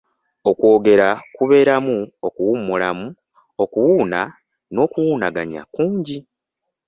Okwogera kubeeramu okuwummulamu, okuwuuna n'okwewunaganya kungi.